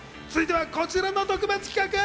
続いてはこちらの特別企画！